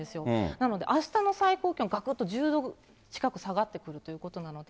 なのであしたの最高気温、がくっと１０度近く下がってくるということなので。